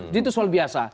jadi itu soal biasa